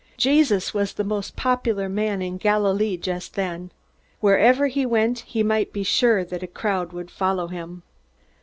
Jesus was the most popular man in Galilee just then. Wherever he went, he might be sure that a crowd would follow him.